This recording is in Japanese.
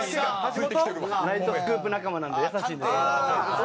『ナイトスクープ』仲間なんで優しいんですよ。